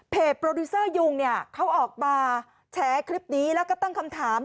โปรดิวเซอร์ยุงเนี่ยเขาออกมาแฉคลิปนี้แล้วก็ตั้งคำถาม